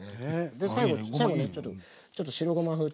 で最後にちょっと白ごまふって。